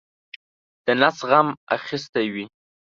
د نس غم اخیستی وي.